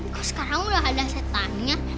kok sekarang udah ada setannya